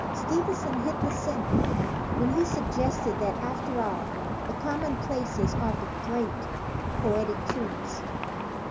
Stevenson hit the center when he suggested that " after all, the commonplaces are the great poetic truths."